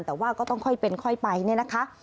แต่ว่าก็ต้องค่อยเป็นค่อยไปเนี่ยนะคะ